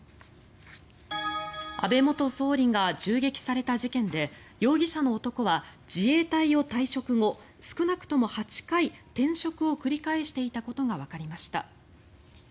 安倍元総理が銃撃された事件で容疑者の男は自衛隊を退職後少なくとも８回転職を繰り返していたことがわかりました。